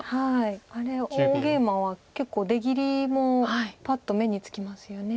あれ大ゲイマは結構出切りもパッと目につきますよね。